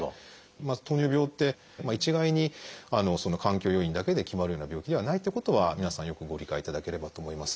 糖尿病って一概に環境要因だけで決まるような病気ではないってことは皆さんよくご理解いただければと思います。